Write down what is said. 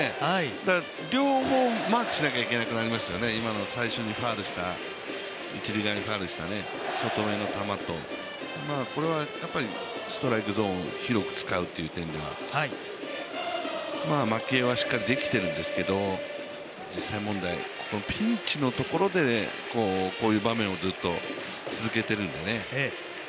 ただ、両方マークしなきゃいけなくなりましたからね最初に一塁側にファウルした外目の球と、これはストライクゾーン広く使うという点ではまき餌はしっかりできているんですけど実際問題、ピンチのところでこういう場面をずっと続けてるんでね。